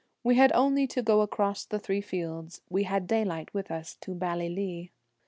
We had only to go across the three fields, We had daylight with us to Ballylee.